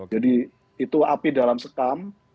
jadi itu api dalam sekam